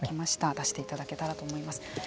出していただけたらと思います。